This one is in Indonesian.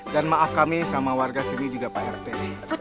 dan maaf kami sama warga sini juga pak rente